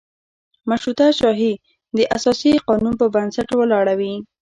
مشروطه شاهي د اساسي قانون په بنسټ ولاړه وي.